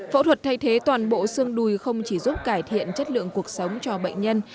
phẫu thuật thay thế toàn bộ xương đùi không chỉ giúp cải thiện chất lượng cuộc sống cho bệnh nhân